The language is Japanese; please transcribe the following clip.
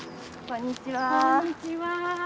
こんにちは。